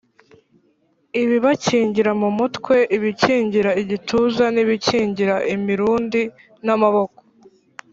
ibibakingira mu mutwe, ibikingira igituza n’ibikingira imirundi n’amaboko.